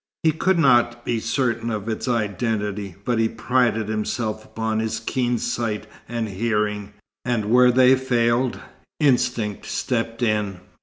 He could not be certain of its identity, but he prided himself upon his keen sight and hearing, and where they failed, instinct stepped in.